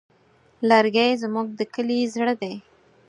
لرګی زموږ د کلي زړه دی.